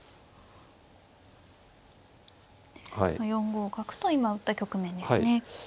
４五角と今打った局面ですね。